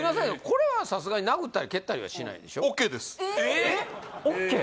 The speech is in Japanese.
これはさすがに殴ったり蹴ったりはしないでしょえっ？ＯＫ？